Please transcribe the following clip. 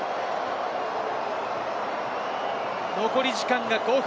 残り時間が５分。